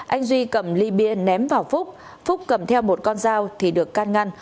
anh duy cầm ly bia ném vào phúc phúc cầm theo một con dao thì được can ngăn